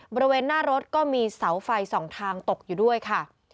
บริเวณหน้ารถก็มีเสาไฟสองทางตกอยู่ด้วยค่ะ